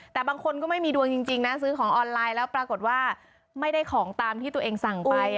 แต่บางคนก็ไม่มีดวงจริงนะซื้อของออนไลน์แล้วปรากฏว่าไม่ได้ของตามที่ตัวเองสั่งไป